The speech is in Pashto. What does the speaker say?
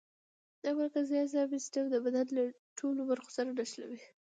دا مرکزي عصبي سیستم د بدن له ټولو برخو سره نښلوي.